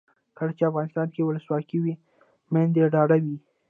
کله چې افغانستان کې ولسواکي وي میندې ډاډه وي.